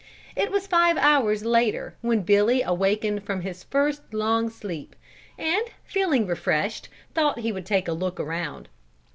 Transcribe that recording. It was five hours later when Billy awakened from his first long sleep, and feeling refreshed, thought he would take a look around.